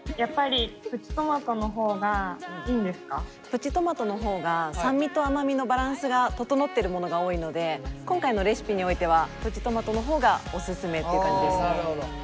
プチトマトの方が酸味と甘みのバランスが整ってるものが多いので今回のレシピにおいてはプチトマトの方がおすすめという感じです。